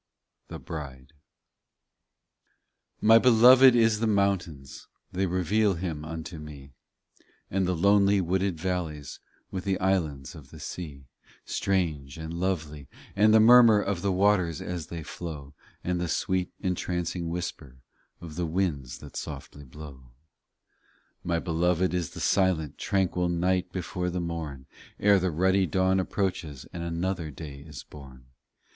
THE BRIDE 14 My Beloved is the mountains They reveal Him unto me And the lonely wooded valleys With the islands of the sea, Strange and lovely ; and the murmur Of the waters as they flow, And the sweet entrancing whisper Of the winds that softly blow. 15 My Beloved is the silent Tranquil night before the morn; Ere the ruddy dawn approaches And another day is born.